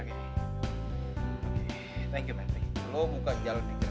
oke thank you matthew lo buka jalan di gerak